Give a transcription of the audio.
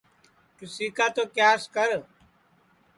کِس کا تو کیاس کر